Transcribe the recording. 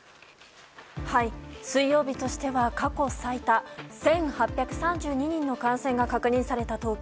水曜日としては過去最多１８３２人の感染が確認された東京。